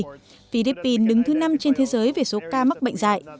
vì philippines đứng thứ năm trên thế giới về số ca mắc bệnh dạy